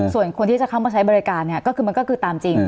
ส่วนคนที่จะเข้ามาใช้บริการเนี่ยก็คือมันก็คือตามจริง